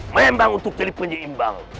membang untuk jadi penyeimbang